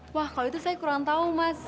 wah kalau itu saya kurang tahu mas